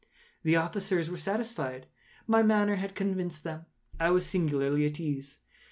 The officers were satisfied. My manner had convinced them. I was singularly at ease.